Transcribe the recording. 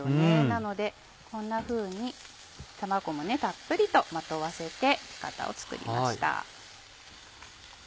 なのでこんなふうに卵もたっぷりとまとわせてピカタを作りました。